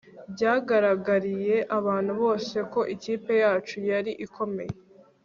Byagaragariye abantu bose ko ikipe yacu yari ikomeye